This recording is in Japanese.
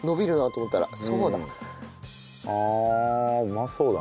ああうまそうだ